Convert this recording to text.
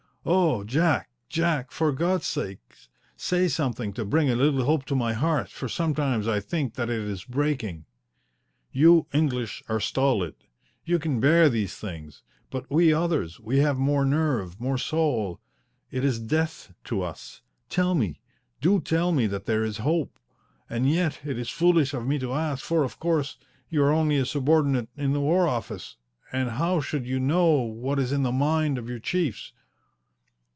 Oh, Jack, Jack, for God's sake, say something to bring a little hope to my heart, for sometimes I think that it is breaking! You English are stolid. You can bear these things. But we others, we have more nerve, more soul! It is death to us. Tell me! Do tell me that there is hope! And yet it is foolish of me to ask, for, of course, you are only a subordinate at the War Office, and how should you know what is in the mind of your chiefs?"